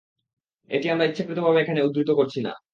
এটি আমরা ইচ্ছাকৃতভাবে এখানে উদ্ধৃত করছি না।